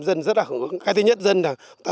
dân rất là hứng ứng cái thứ nhất dân là